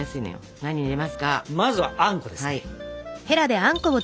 まずはあんこですね。